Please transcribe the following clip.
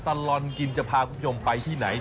ตลอดกินจะพาคุณพี่อุ้มไปที่ไหน